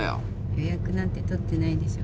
予約なんてとってないでしょ？